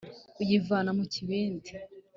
uyivana mu kibindi